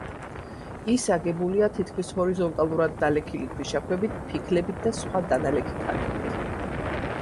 ის აგებულია თითქმის ჰორიზონტალურად დალექილი ქვიშაქვებით, ფიქლებით და სხვა დანალექი ქანებით.